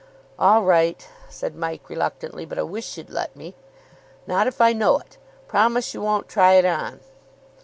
"All right," said Mike, reluctantly. "But I wish you'd let me." "Not if I know it. Promise you won't try it on."